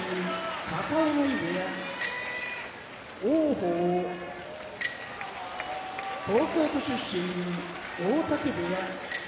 片男波部屋王鵬東京都出身大嶽部屋